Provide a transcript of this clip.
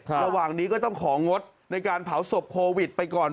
ระหว่างนี้ก็ต้องของงดในการเผาศพโควิดไปก่อน